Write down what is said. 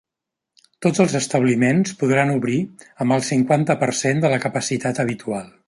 Tots els establiments podran obrir amb el cinquanta per cent de la capacitat habitual.